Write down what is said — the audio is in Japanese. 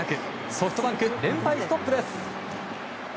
ソフトバンク連敗ストップです。